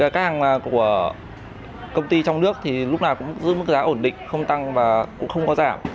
các hàng của công ty trong nước thì lúc nào cũng giữ mức giá ổn định không tăng và cũng không có giảm